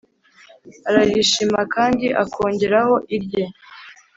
ararishima kandi akongeraho irye;